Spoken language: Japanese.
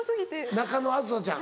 中野梓ちゃん。